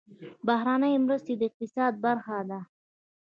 بهرنۍ مرستې د اقتصاد برخه ده